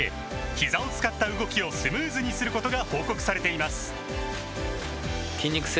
ひざを使った動きをスムーズにすることが報告されています